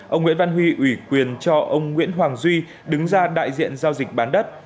ông nguyễn văn huy ủy quyền cho ông nguyễn hoàng duy đứng ra đại diện giao dịch bán đất